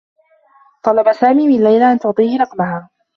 طلب سامي من ليلى أن تعطيه رقمها.